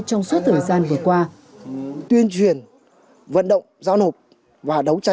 trong các thời gian vừa qua